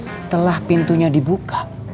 setelah pintunya dibuka